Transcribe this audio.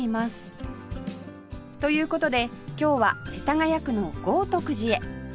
という事で今日は世田谷区の豪徳寺へ